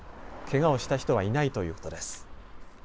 けがをした人はいないということです。